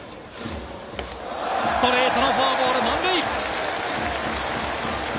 ストレートのフォアボール、満塁。